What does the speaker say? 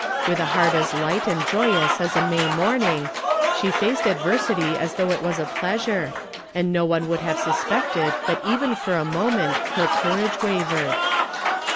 With a heart as light and joyous as a May morning, she faced adversity as though it was a pleasure, and no one would have suspected that even for a moment her courage wavered.